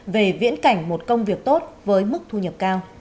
về viễn cảnh một công việc tốt với mức thu nhập cao